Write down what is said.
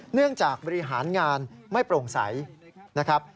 เนื่องจากบริหารงานไม่โปร่งใสนะครับ